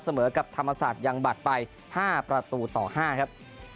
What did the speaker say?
เสมอกับธรรมศาสตร์ยังบัตรไป๕ประตูต่อ๕ครับ